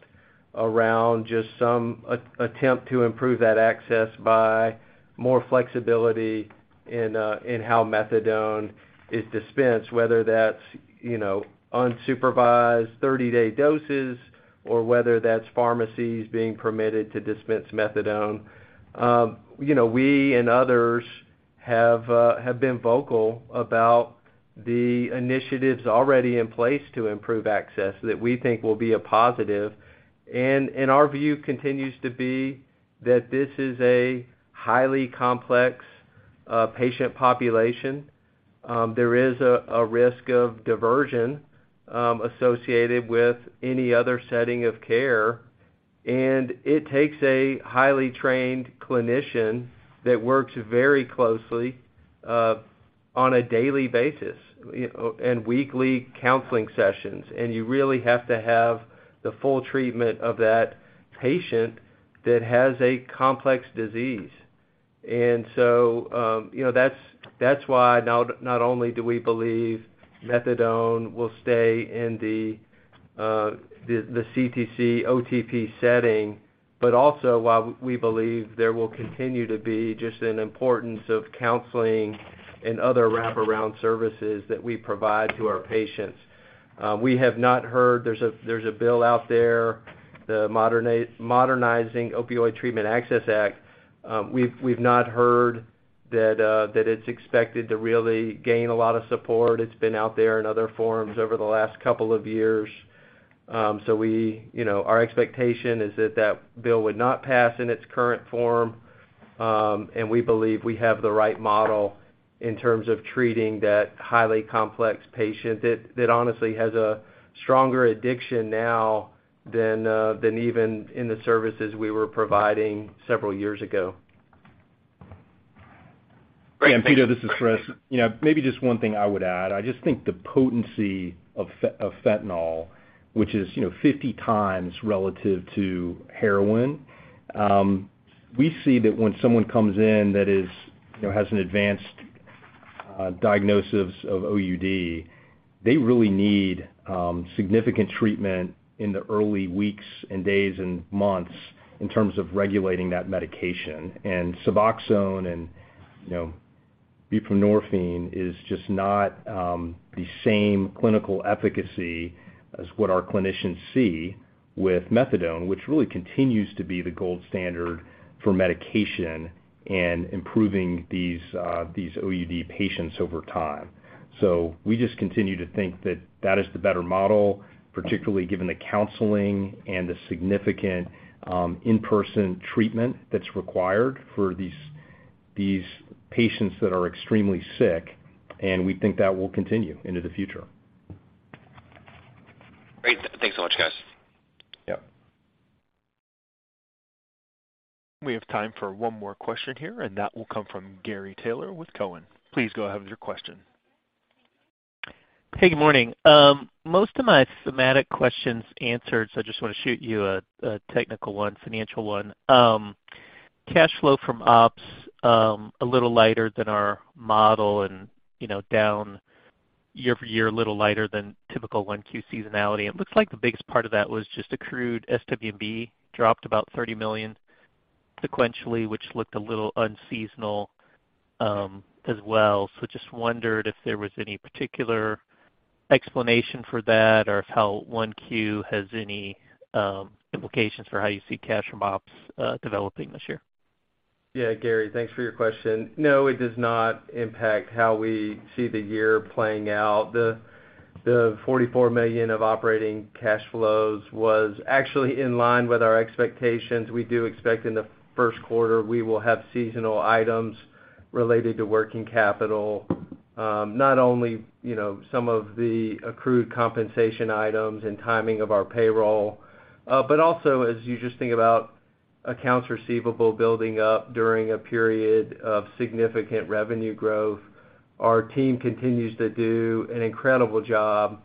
around just some attempt to improve that access by more flexibility in how methadone is dispensed, whether that's, you know, unsupervised 30-day doses or whether that's pharmacies being permitted to dispense methadone. You know, we and others have been vocal about the initiatives already in place to improve access that we think will be a positive. Our view continues to be that this is a highly complex patient population. There is a risk of diversion associated with any other setting of care, and it takes a highly trained clinician that works very closely on a daily basis and weekly counseling sessions. You really have to have the full treatment of that patient that has a complex disease. You know, that's why not only do we believe methadone will stay in the CTC OTP setting, but also while we believe there will continue to be just an importance of counseling and other wraparound services that we provide to our patients. We have not heard. There's a bill out there, the Modernizing Opioid Treatment Access Act. We've not heard that it's expected to really gain a lot of support. It's been out there in other forums over the last two years. We, you know, our expectation is that that bill would not pass in its current form. We believe we have the right model in terms of treating that highly complex patient that honestly has a stronger addiction now than even in the services we were providing several years ago. Great. Pito, this is Chris. You know, maybe just one thing I would add. I just think the potency of fentanyl, which is, you know, 50 times relative to heroin, we see that when someone comes in that is, you know, has an advanced diagnosis of OUD, they really need significant treatment in the early weeks and days and months in terms of regulating that medication. Suboxone and, you know, buprenorphine is just not the same clinical efficacy as what our clinicians see with methadone, which really continues to be the gold standard for medication and improving these OUD patients over time. We just continue to think that that is the better model, particularly given the counseling and the significant in-person treatment that's required for these patients that are extremely sick, and we think that will continue into the future. Great. Thanks so much, guys. Yeah. We have time for one more question here, and that will come from Gary Taylor with Cowen. Please go ahead with your question. Hey, good morning. Most of my thematic questions answered, so I just wanna shoot you a technical one, financial one. Cash flow from ops, a little lighter than our model and, you know, down year-over-year, a little lighter than typical 1Q seasonality. It looks like the biggest part of that was just accrued SWB dropped about $30 million sequentially, which looked a little unseasonal as well. Just wondered if there was any particular explanation for that or if how 1Q has any implications for how you see cash from ops developing this year. Yeah, Gary, thanks for your question. It does not impact how we see the year playing out. The $44 million of operating cash flows was actually in line with our expectations. We do expect in the first quarter we will have seasonal items related to working capital, not only, you know, some of the accrued compensation items and timing of our payroll, but also, as you just think about accounts receivable building up during a period of significant revenue growth. Our team continues to do an incredible job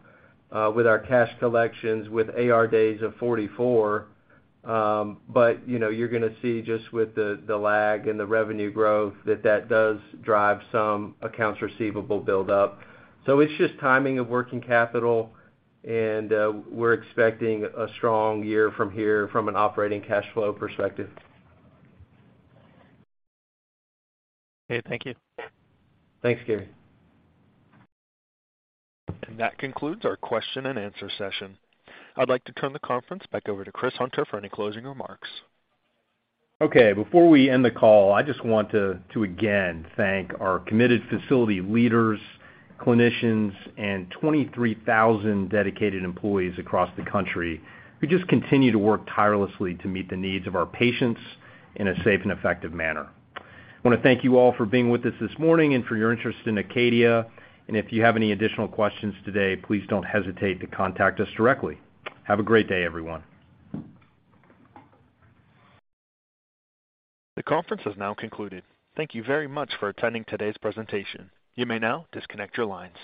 with our cash collections with AR days of 44. You know, you're gonna see just with the lag and the revenue growth that that does drive some accounts receivable buildup. It's just timing of working capital, and we're expecting a strong year from here from an operating cash flow perspective. Okay, thank you. Thanks, Gary. That concludes our question and answer session. I'd like to turn the conference back over to Chris Hunter for any closing remarks. Okay. Before we end the call, I just want to again thank our committed facility leaders, clinicians, and 23,000 dedicated employees across the country who just continue to work tirelessly to meet the needs of our patients in a safe and effective manner. I wanna thank you all for being with us this morning and for your interest in Acadia. If you have any additional questions today, please don't hesitate to contact us directly. Have a great day, everyone. The conference has now concluded. Thank you very much for attending today's presentation. You may now disconnect your lines.